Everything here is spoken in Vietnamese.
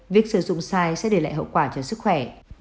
việc sử dụng sai sẽ để lại hậu quả cho sức khỏe